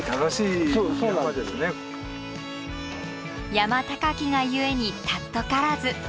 山高きが故に貴からず。